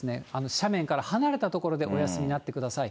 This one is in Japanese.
斜面から離れた所でお休みになってください。